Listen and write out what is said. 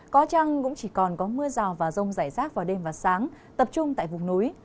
có chăng cũng chỉ còn có mưa rào và rông rải rác vào đêm và sáng tập trung tại vùng núi